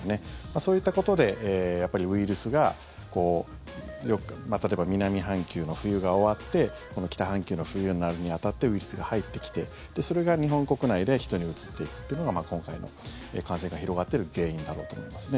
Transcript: そういったことでウイルスが例えば、南半球の冬が終わって北半球の冬になるに当たってウイルスが入ってきてそれが日本国内で人にうつっていくってのが今回の感染が広がってる原因だろうと思いますね。